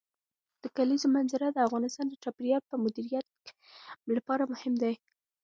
د کلیزو منظره د افغانستان د چاپیریال د مدیریت لپاره مهم دي.